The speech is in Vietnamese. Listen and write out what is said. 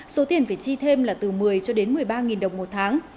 số tiền phải chi thêm là từ một mươi cho đến một mươi ba đồng một tháng